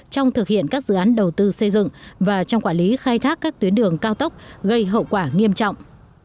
trong thực hiện các dự án đầu tư xây dựng và trong quản lý khai thác các tuyến đường cao tốc gây hậu quả nghiêm trọng